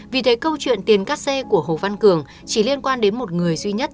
vì thế câu chuyện tiền cát xe của hồ văn cường chỉ liên quan đến một người duy nhất